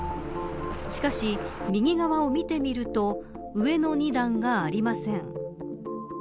しかし、右側を見てみると上の２段がありません。